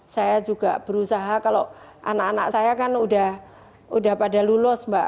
saya juga berusaha kalau anak anak saya kan udah pada lulus mbak